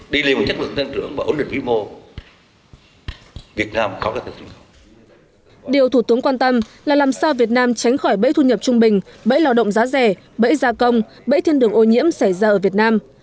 điều thủ tướng quan tâm là làm sao việt nam tránh khỏi bẫy thu nhập trung bình bẫy lao động giá rẻ bẫy gia công bẫy thiên đường ô nhiễm xảy ra ở việt nam